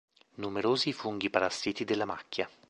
Numerosi i funghi parassiti della macchia.